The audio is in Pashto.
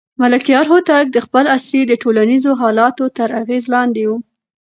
ملکیار هوتک د خپل عصر د ټولنیزو حالاتو تر اغېز لاندې و.